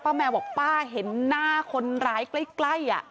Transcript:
แมวบอกป้าเห็นหน้าคนร้ายใกล้